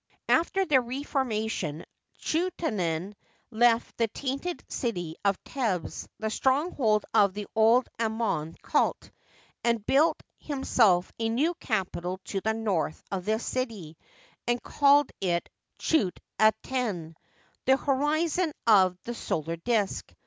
After the reformation Chuenaten left the tainted city of Thebes, the stronghold of the old Amon cult, and built himself a new capital to the north of this city, and called it Chut'Aten, " The Horizon of the Solar Disk."